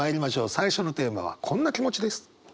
最初のテーマはこんな気持ちです。